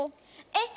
えっ